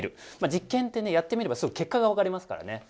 実験ってねやってみればすぐ結果がわかりますからね。